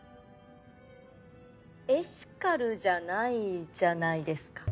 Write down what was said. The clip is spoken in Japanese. エシカルじゃないじゃないですか。